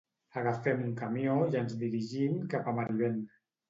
Agafem un camió i ens dirigim cap a Marivent.